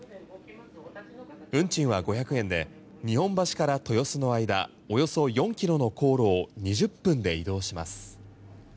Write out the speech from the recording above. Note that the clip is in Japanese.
運賃は５００円で日本橋から豊洲の間およそ４キロの航路を２０分で移動します。